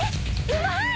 うまい。